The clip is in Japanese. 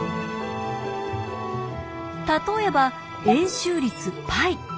例えば円周率π。